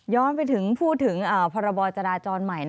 ย้อนไปพูดถึงภาระบจราจรใหม่